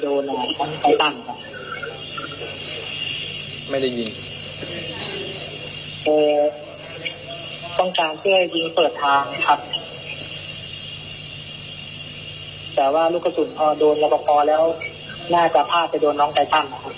แต่ลูกศุลมันโดนเรียบร้อยแล้วน่าจะพลาดไปโดนน้องไกต้าน